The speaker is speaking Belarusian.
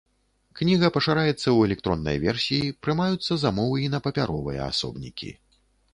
Кніга пашыраецца ў электроннай версіі, прымаюцца замовы і на папяровыя асобнікі.